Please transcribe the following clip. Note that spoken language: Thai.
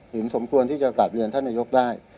สมควรที่จะกลับเรียนท่านนายกได้